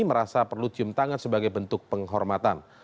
merasa perlu cium tangan sebagai bentuk penghormatan